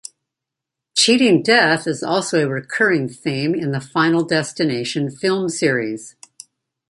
Cheating death is also a recurring theme in the "Final Destination" film series.